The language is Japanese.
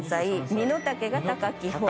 身の丈が高き方。